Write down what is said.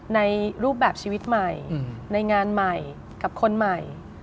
ในรูปแบบชีวิตใหม่ในงานใหม่กับคนใหม่